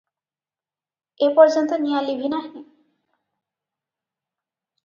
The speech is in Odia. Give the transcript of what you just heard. ଏପର୍ଯ୍ୟନ୍ତ ନିଆଁ ଲିଭି ନାହିଁ ।